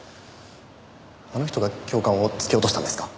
あの人が教官を突き落としたんですか？